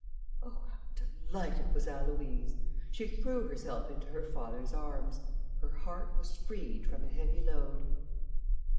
Oh! how delighted was Aloïse. She threw herself into her father's arms; her heart was freed from a heavy load.